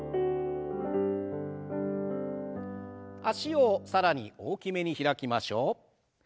脚を更に大きめに開きましょう。